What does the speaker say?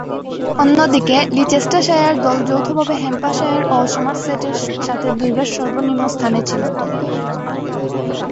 অন্যদিকে, লিচেস্টারশায়ার দল যৌথভাবে হ্যাম্পশায়ার ও সমারসেটের সাথে দুইবার সর্বনিম্ন স্থানে ছিল।